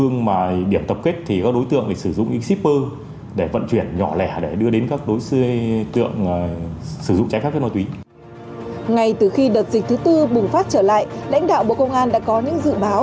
ngay từ khi đợt dịch thứ tư bùng phát trở lại lãnh đạo bộ công an đã có những dự báo